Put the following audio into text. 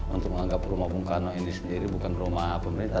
untuk menganggap rumah bung karno ini sendiri bukan rumah pemerintah